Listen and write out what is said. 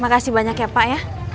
makasih banyak ya pa ya